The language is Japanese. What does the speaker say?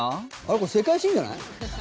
「これ世界新じゃない？